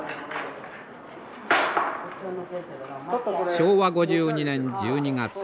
昭和５２年１２月